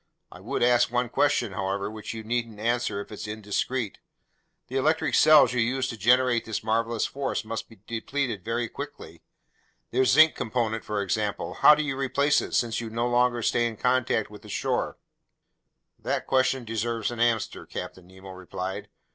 I would ask one question, however, which you needn't answer if it's indiscreet. The electric cells you use to generate this marvelous force must be depleted very quickly. Their zinc component, for example: how do you replace it, since you no longer stay in contact with the shore?" "That question deserves an answer," Captain Nemo replied.